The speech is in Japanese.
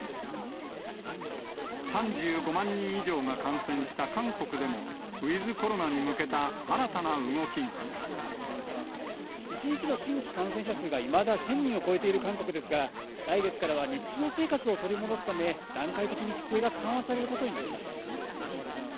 ３５万人以上が感染した韓国でも、ウィズコロナに向けた新たな動き１日の新規感染者数が、いまだ１０００人を超えている韓国ですが、来月からは日常生活を取り戻すため、段階的に規制が緩和されることになりました。